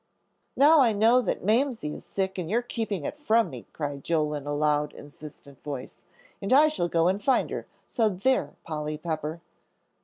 "Now I know that my Mamsie is sick and you're keeping it from me," cried Joel, in a loud, insistent voice, "and I shall go and find her; so there, Polly Pepper."